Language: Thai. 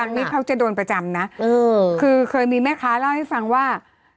อันนี้เขาจะโดนประจำนะเออคือเคยมีแม่ค้าเล่าให้ฟังว่า